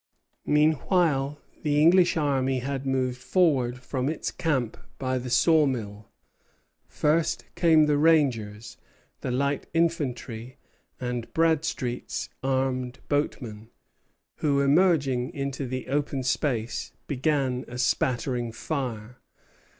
Meanwhile the English army had moved forward from its camp by the saw mill. First came the rangers, the light infantry, and Bradstreet's armed boatmen, who, emerging into the open space, began a spattering fire.